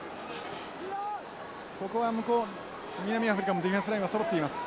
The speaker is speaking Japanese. ここは向こう南アフリカもディフェンスラインはそろっています。